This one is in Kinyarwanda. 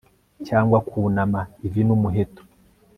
cyangwa kunama ivi n'umuheto